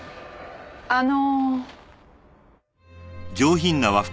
あの。